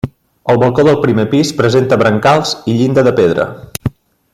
El balcó del primer pis presenta brancals i llinda de pedra.